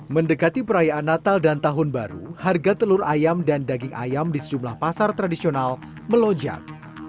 mendekati perayaan natal dan tahun baru harga telur ayam dan daging ayam di sejumlah pasar tradisional melonjak